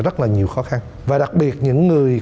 rất là nhiều khó khăn và đặc biệt những người